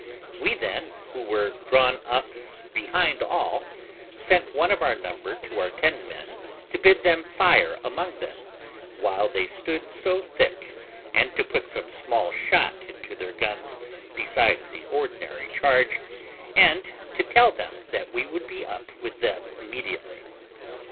We then, who were drawn up behind all, sent one of our number to our ten men to bid them fire among them while they stood so thick, and to put some small shot into their guns besides the ordinary charge, and to tell them that we would be up with them immediately.